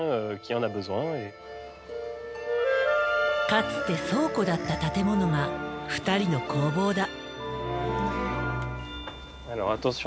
かつて倉庫だった建物が２人の工房だ。